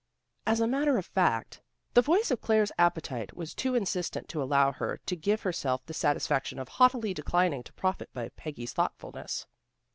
As a matter of fact, the voice of Claire's appetite was too insistent to allow her to give herself the satisfaction of haughtily declining to profit by Peggy's thoughtfulness.